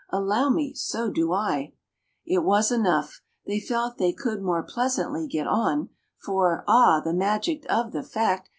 "Allow me, so do I." It was enough: they felt they could more pleasantly get on, For (ah, the magic of the fact!)